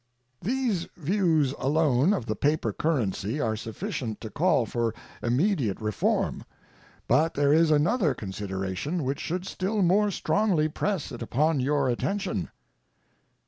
These views alone of the paper currency are sufficient to call for immediate reform; but there is another consideration which should still more strongly press it upon your attention.